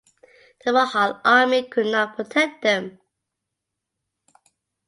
The Mughal army could not protect them.